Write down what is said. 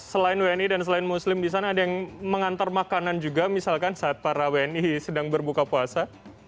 selain wni dan selain muslim di sana ada yang mengantar makanan juga misalkan saat para wni sedang berbuka puasa